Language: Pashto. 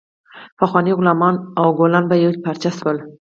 پخواني غلامان او کولون په یوه پارچه شول.